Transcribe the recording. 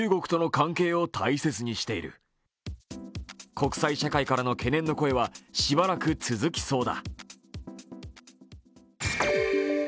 国際社会からの懸念の声はしばらく続きそうだ。